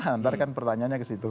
hantar kan pertanyaannya ke situ